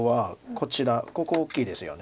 ここ大きいですよね。